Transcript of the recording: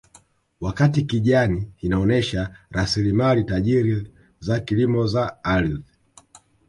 Wakati kijani inaonyesha rasilimali tajiri za kilimo za ardhi